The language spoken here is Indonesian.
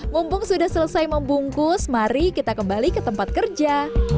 mumpung sudah selesai membungkus mari kita kembali ke tempat kerja